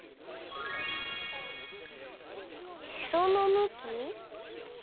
「へそのむき」？